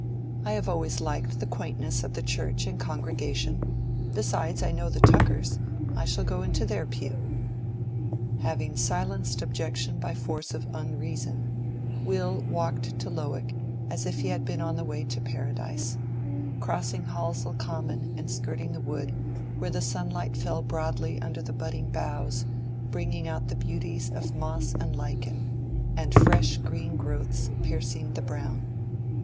I have always liked the quaintness of the church and congregation; besides, I know the Tuckers: I shall go into their pew." Having silenced Objection by force of unreason, Will walked to Lowick as if he had been on the way to Paradise, crossing Halsell Common and skirting the wood, where the sunlight fell broadly under the budding boughs, bringing out the beauties of moss and lichen, and fresh green growths piercing the brown.